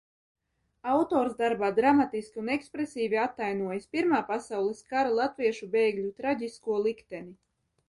Autors darbā dramatiski un ekspresīvi atainojis Pirmā pasaules kara latviešu bēgļu traģisko likteni.